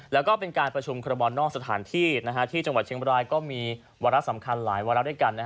แล้วก็เป็นการประชุมคอรบอลนอกสถานที่ที่จังหวัดเชียงบรายก็มีวาระสำคัญหลายวาระด้วยกัน